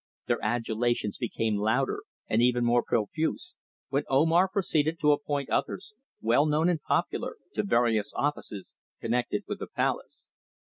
Their adulations became louder, and even more profuse, when Omar proceeded to appoint others, well known and popular, to various offices connected with the palace.